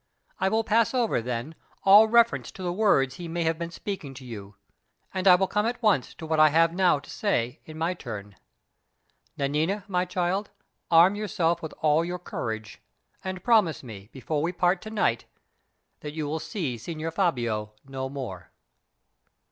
I will pass over, then, all reference to the words he may have been speaking to you; and I will come at once to what I have now to say, in my turn. Nanina, my child, arm yourself with all your courage, and promise me, before we part to night, that you will see Signor Fabio no more."